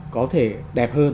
có thể đẹp hơn